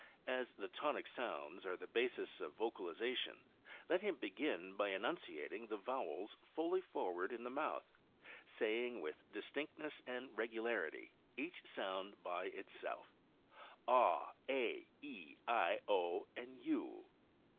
As the tonic sounds are the basis of vocalization, let him begin by enunciating the vowels fully forward in the mouth, saying, with distinctness and regularity, each sound by itself — ah a e i o u.